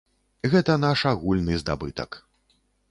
Гэта наш агульны здабытак.